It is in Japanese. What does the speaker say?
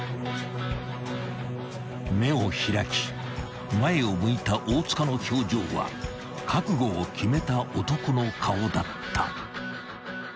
［目を開き前を向いた大塚の表情は覚悟を決めた男の顔だった］